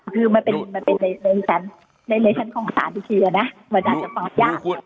คือมันเป็นในชั้นของสารอีกทีนะมันอาจจะฟังยาก